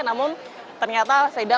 namun ternyata sidang masih diberikan